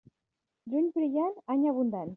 Juny brillant, any abundant.